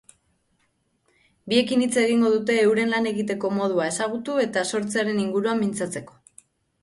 Biekin hitz egingo dute euren lan egiteko modua ezagutu eta sortzearen inguruan mintzatzeko.